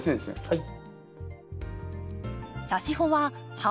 はい。